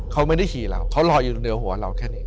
เขาไม่ได้ขี่เราเขารออยู่เหนือหัวเราแค่นี้